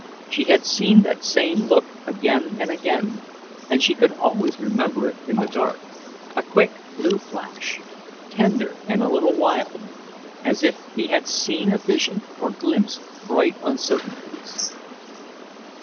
She had seen that same look again and again, and she could always remember it in the dark, a quick blue flash, tender and a little wild, as if he had seen a vision or glimpsed bright uncertainties.